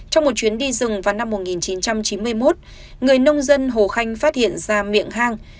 trong một chuyến đi rừng vào năm một nghìn chín trăm chín mươi một người nông dân hồ khanh phát hiện ra miệng hang